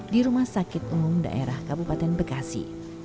di rumah sakit umum daerah kabupaten bekasi